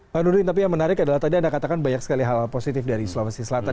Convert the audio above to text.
pak nurdin tapi yang menarik adalah tadi anda katakan banyak sekali hal hal positif dari sulawesi selatan